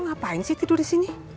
ngapain sih tidur di sini